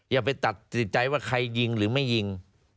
อย่าไปตัดสินใจว่าใครยิงหรือไม่ยิง